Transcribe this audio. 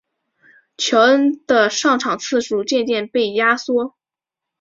乔恩的上场次数渐渐被压缩。